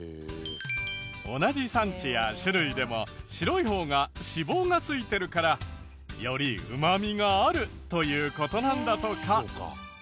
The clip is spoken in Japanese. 同じ産地や種類でも白い方が脂肪がついてるからよりうまみがあるという事なんだとか。